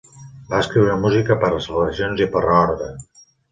Va escriure música per a celebracions i per a orgue.